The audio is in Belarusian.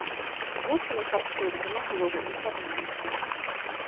Вусені харчуюцца на глогу і цярноўніку.